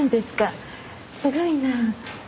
すごいなあ。